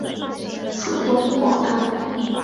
属东广州。